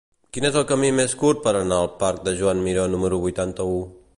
Quin és el camí més curt per anar al parc de Joan Miró número vuitanta-u?